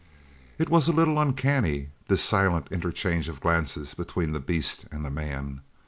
It was a little uncanny, this silent interchange of glances between the beast and the man.